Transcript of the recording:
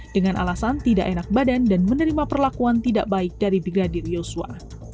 dengan alasan tidak enak badan dan menerima perlakuan tidak baik dari brigadir yosua